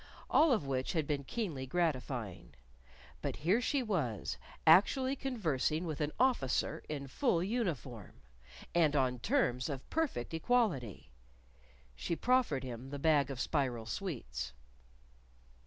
All of which had been keenly gratifying. But here she was, actually conversing with an Officer in full uniform! And on terms of perfect equality! She proffered him the bag of spiral sweets.